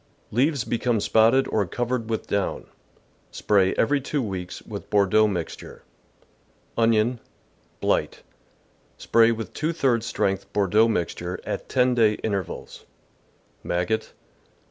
— Leaves become spotted or covered vi^ith down. Spray every two weeks with Bordeaux mixture. Onion. — Blight. — Spray with two thirds strength Bordeaux mixture at ten day intervals. Maggot.